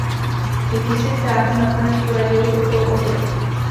Jakýsi pták mu nakonec poradil krutou oběť.